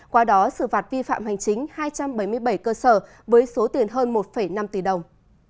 qua đó xử phạt vi phạm hành chính hai trăm bảy mươi bảy cơ sở với số tiền hơn một năm tỷ đồng